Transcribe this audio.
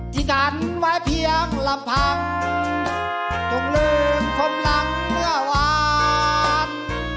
ที่ดันไว้เพียงลำพังถูกลืมคมหลังเมื่อวาน